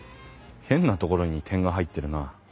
変なところに点が入ってるな。